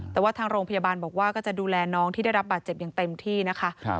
แต่ว่าทางโรงพยาบาลบอกว่าก็จะดูแลน้องที่ได้รับบาดเจ็บอย่างเต็มที่นะคะ